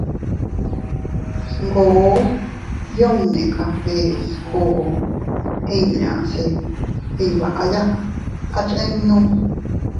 Sngoo yunni café skoʼo inña se iyvaya achinnu.